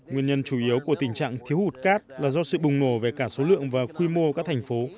nguyên nhân chủ yếu của tình trạng thiếu hụt cát là do sự bùng nổ về cả số lượng và quy mô các thành phố